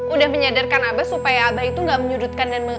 udah menyadarkan abah supaya abah itu gak menyudutkan dan